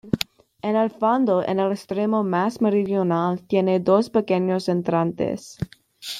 En el fondo, en el extremo más meridional, tiene dos pequeños entrantes.